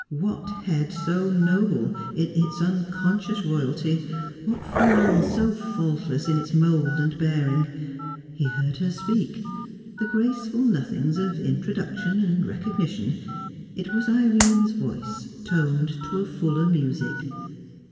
What head so noble in its unconscious royalty! What form so faultless in its mould and bearing! He heard her speak the graceful nothings of introduction and recognition; it was Irene's voice toned to a fuller music.